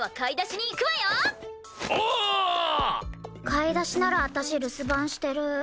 買い出しなら私留守番してる。